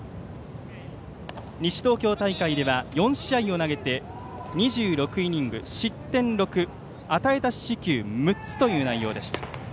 西東京大会では４試合を投げて２６イニング失点６、与えた四死球６つという内容でした。